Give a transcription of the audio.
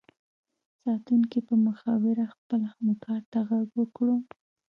ساتونکي په مخابره خپل همکار ته غږ وکړو